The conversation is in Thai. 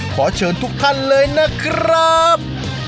ขอเชิญทุกท่านเลยนะครับ